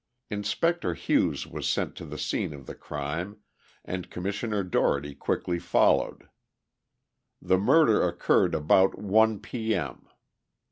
Inspector Hughes was sent to the scene of the crime, and Commissioner Dougherty quickly followed. The murder occurred about one p. m.